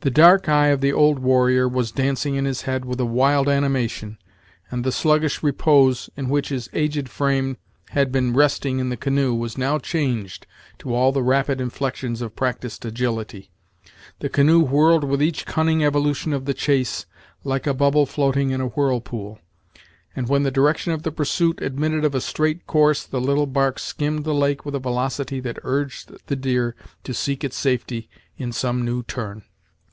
The dark eye of the old warrior was dancing in his head with a wild animation, and the sluggish repose in which his aged frame had been resting in the canoe was now changed to all the rapid inflections of practiced agility. The canoe whirled with each cunning evolution of the chase, like a bubble floating in a whirlpool; and when the direction of the pursuit admitted of a straight course the little bark skimmed the lake with a velocity that urged the deer to seek its safety in some new turn.